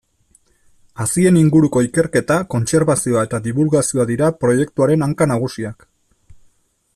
Hazien inguruko ikerketa, kontserbazioa eta dibulgazioa dira proiektuaren hanka nagusiak.